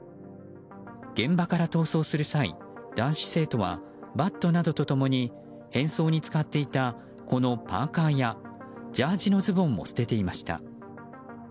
現場から逃走する際、男子生徒はバットなどと共に変装に使っていたこのパーカやジャージーのズボンも捨てていました。